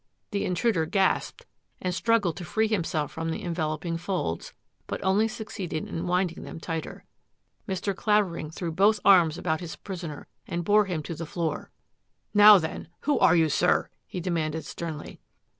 The intruder gasped and struggled to free himself from the enveloping folds, but only succeeded in winding them the tighter. Mr. Clavering threw both arms about his prisoner and bore him to the floor. " Now, then, who are you, sir? " he demanded sternly.